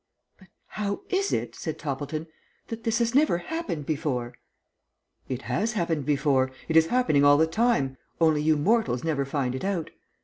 "But how is it," said Toppleton, "that this has never happened before?" "It has happened before. It is happening all the time, only you mortals never find it out.